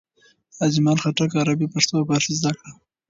اجمل خټک عربي، پښتو او فارسي زده کړه.